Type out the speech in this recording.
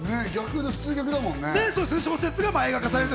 普通、逆だもんね。